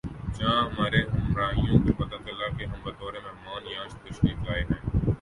جب ہمارے ہمراہیوں کو پتہ چلا کہ ہم بطور مہمان یہاں تشریف لائے ہیں